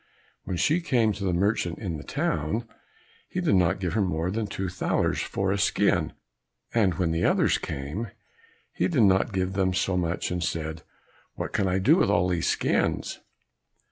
When she came to the merchant in the town, he did not give her more than two thalers for a skin, and when the others came, he did not give them so much, and said, "What can I do with all these skins?"